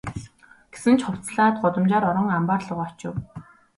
Гэсэн ч хувцаслаад гудамжаар орон амбаар луугаа очив.